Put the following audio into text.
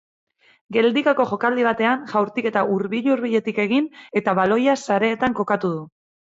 Geldikako jokaldi batean jaurtiketa hurbil-hurbiletik egin eta baloia sareetan kokatu du.